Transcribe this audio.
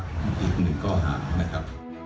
อีกหนึ่งก้อหา